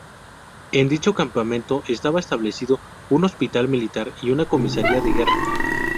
En dicho campamento estaba establecido un hospital militar y una comisaría de guerra.